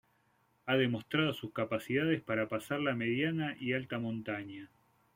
Ha demostrado sus capacidades para pasar la mediana y alta montaña.